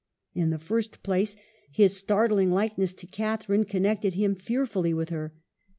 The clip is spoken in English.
In the first place, his startling like ness to Catharine connected him fearfully with her.